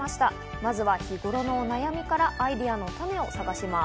まずは日頃のお悩みからアイデアの種を探します。